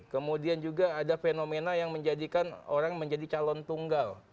kemudian juga ada fenomena yang menjadikan orang menjadi kandung